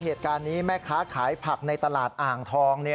เหตุการณ์นี้แม่ค้าขายผักในตลาดอ่างทอง